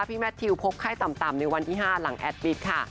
แมททิวพบไข้ต่ำในวันที่๕หลังแอดมิตรค่ะ